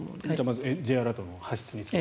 まずＪアラートの発出について。